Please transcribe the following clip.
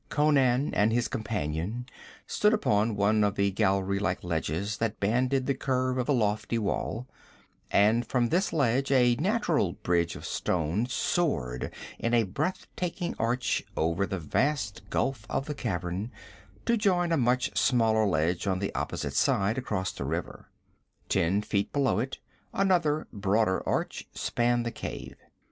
Conan and his companion stood upon one of the gallery like ledges that banded the curve of the lofty wall, and from this ledge a natural bridge of stone soared in a breath taking arch over the vast gulf of the cavern to join a much smaller ledge on the opposite side, across the river. Ten feet below it another, broader arch spanned the cave.